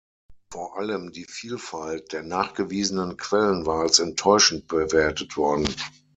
Vor allem die Vielfalt der nachgewiesenen Quellen war als enttäuschend bewertet worden.